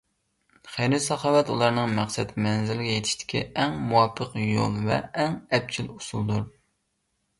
خەير - ساخاۋەت ئۇلارنىڭ مەقسەت مەنزىلىگە يېتىشتىكى ئەڭ مۇۋاپىق يول ۋە ئەڭ ئەپچىل ئۇسۇلدۇر.